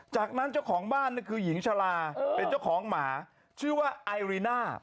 จากนั้นเจ้าของบ้านคือหญิงชะลาเป็นเจ้าของหมาชื่อว่าไอริน่า